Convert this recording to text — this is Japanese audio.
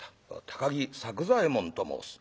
高木作久左右衛門と申す」。